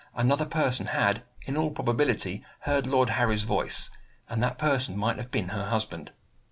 Another person had, in all probability, heard Lord Harry's voice and that person might have been her husband.